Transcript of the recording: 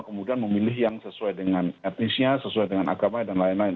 sebagian dari isu isu etnisnya sesuai dengan agama dan lain lain